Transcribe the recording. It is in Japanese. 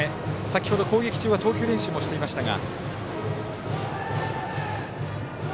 先ほど攻撃中は投球練習もしていましたが。